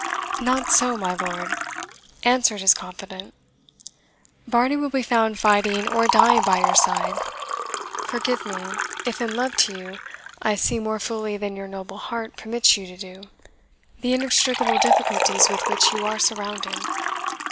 "Not so, my lord," answered his confidant; "Varney will be found fighting or dying by your side. Forgive me, if, in love to you, I see more fully than your noble heart permits you to do, the inextricable difficulties with which you are surrounded.